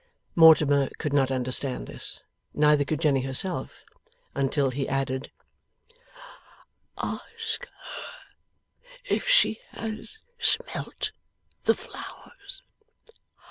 Mortimer could not understand this, neither could Jenny herself, until he added: 'Ask her if she has smelt the flowers.